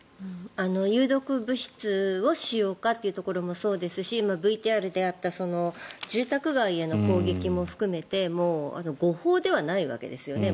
有毒物質を使用かというところもそうですしＶＴＲであった住宅街への攻撃も含めて誤報でないわけですよね。